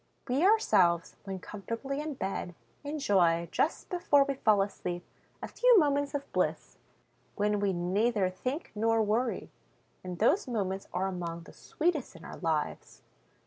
We ourselves, when comfortably in bed, enjoy, just before we fall asleep, a few moments of bliss, when we neither think nor worry; and those moments are among the sweetest in our lives.